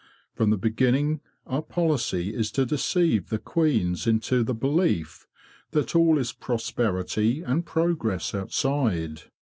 From the beginning our policy is to deceive the queens into the belief that all is prosperity and progress outside.